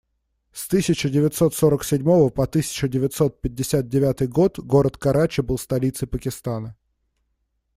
С тысяча девятьсот сорок седьмого по тысячу девятьсот пятьдесят девятый год город Карачи был столицей Пакистана.